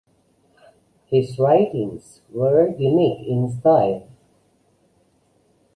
His writings were unique in style.